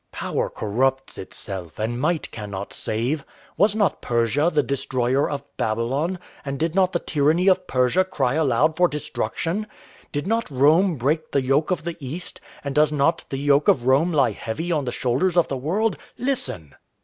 "Power corrupts itself, and might cannot save. Was not Persia the destroyer of Babylon, and did not the tyranny of Persia cry aloud for destruction? Did not Rome break the yoke of the East, and does not the yoke of Rome lie heavy on the shoulders of the world? Listen!"